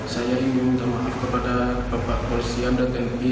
saya ingin meminta maaf kepada bapak polisi andang tni